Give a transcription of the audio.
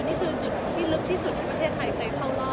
นี่คือจุดที่ลึกที่สุดที่ประเทศไทยเคยเข้ารอบ